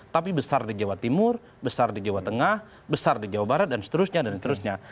tapi besar di jawa timur besar di jawa tengah besar di jawa barat dan seterusnya dan seterusnya